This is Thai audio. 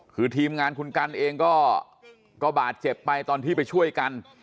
คือทีมงานคุณกันเองก็บาดเจ็บไปตอนที่ไปช่วยกัน